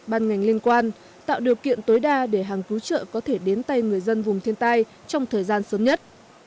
ban ngành liên quan tạo điều kiện tối đa để hàng cứu trợ có thể đến tay người dân vùng thiên tai trong thời gian sớm nhất